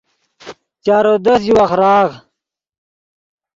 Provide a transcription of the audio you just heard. چارو دست ژے وخراغ